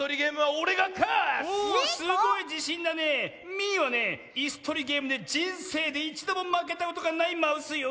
ミーはねいすとりゲームでじんせいでいちどもまけたことがないマウスよ。